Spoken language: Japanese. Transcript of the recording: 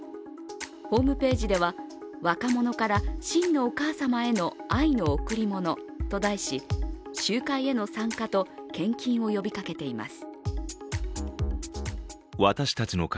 ホームページでは若者から真のお母様への愛の贈り物と題し、集会への参加と献金を呼びかけています。